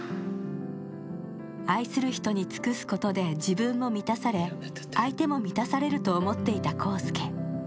愛する人に尽くすことで自分も満たされ相手も満たされると思っていた浩輔。